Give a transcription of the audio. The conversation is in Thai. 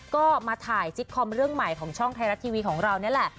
ก็มาถ่ายซิกคอมเรื่องใหม่ของช่องไทยรัฐทีวีของเรานี่แหละ